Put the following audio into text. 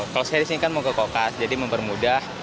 kalau saya di sini kan mau ke kokas jadi mempermudah